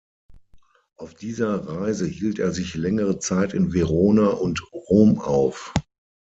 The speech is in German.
Auf dieser Reise hielt er sich längere Zeit in Verona und Rom auf.